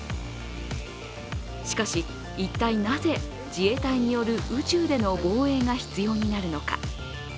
しかし、一体なぜ、自衛隊による宇宙での防衛が必要になるのか。